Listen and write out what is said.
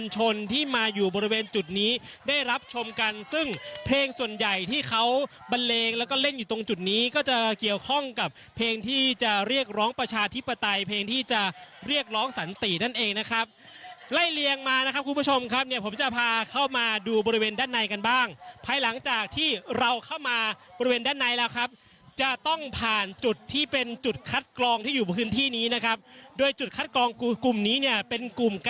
จุดนี้ได้รับชมกันซึ่งเพลงส่วนใหญ่ที่เขาบันเลงแล้วก็เล่นอยู่ตรงจุดนี้ก็จะเกี่ยวข้องกับเพลงที่จะเรียกร้องประชาธิปไตยเพลงที่จะเรียกร้องสันตินั่นเองนะครับไล่เลี้ยงมานะครับคุณผู้ชมครับเนี่ยผมจะพาเข้ามาดูบริเวณด้านในกันบ้างภายหลังจากที่เราเข้ามาบริเวณด้านในแล้วครับจะต้องผ่านจุดที่เป็น